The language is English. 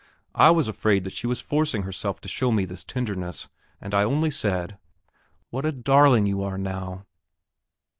I was afraid that she was forcing herself to show me this tenderness, and I only said: "What a darling you are now!"